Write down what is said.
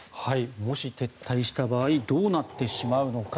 もし撤退した場合どうなってしまうのか。